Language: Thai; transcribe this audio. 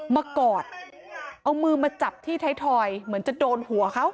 มากอดเอามือมาจับที่ไทยทอยเหมือนจะโดนหัวเขา